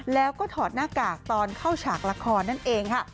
แล้วก็ถอดหน้ากากตอนเข้าฉากละครนั่นเองค่ะ